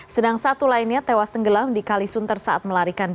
sedang satu lainnya tewas tenggelam